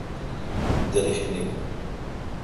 درشنیک